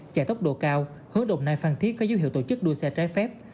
chạy tốc độ cao hứa đồn nai phan thiết có dấu hiệu tổ chức đua xe trái phép